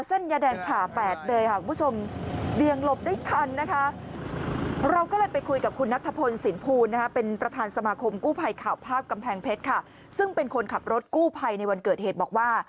เส้นยาแดงผ่านแปดเลยค่ะคุณผู้ชมเดียงหลบได้ทันนะคะ